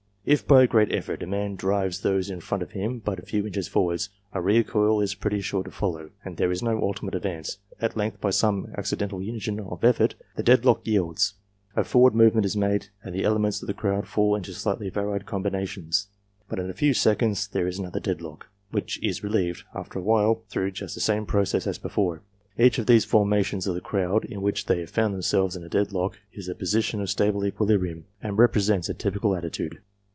If, by a great effort, a man drives those in front of him but a few inches forward, a recoil is pretty sure to follow, and there is no ultimate advance. At length, by some accidental unison of effort, the dead lock yields, a forward movement is made, the elements of the crowd fall into slightly varied combinations, but in a few seconds there is another dead lock, which is relieved, after a while, through just the same processes as before. Each of these formations of the crowd, in which they have found them selves in a dead lock, is a position of stable equilibrium, and represents a typical attitude.